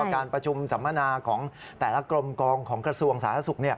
การประชุมสัมมนาของแต่ละกรมกองของกระทรวงสาธารณสุข